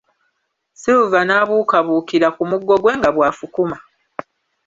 Silver n'abuukabuukira ku muggo gwe nga bw'afukuma.